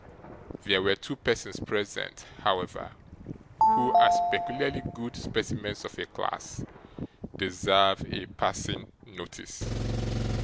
There were two persons present, however, who, as peculiarly good specimens of a class, deserve a passing notice.